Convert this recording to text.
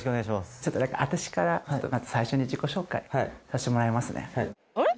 ちょっと私から最初に自己紹介させてもらいますねあれ？